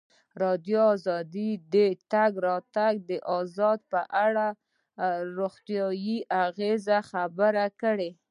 ازادي راډیو د د تګ راتګ ازادي په اړه د روغتیایي اغېزو خبره کړې.